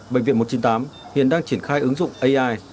bệnh viện một trăm chín mươi tám hiện đang triển khai ứng dụng ai